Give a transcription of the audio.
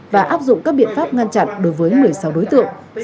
và áp dụng các biện pháp ngăn chặn đối với người sau đối tượng